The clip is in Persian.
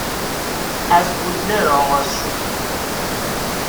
از بودلر آغاز شد